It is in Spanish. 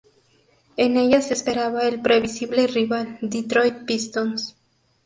En ellas esperaba el previsible rival, Detroit Pistons.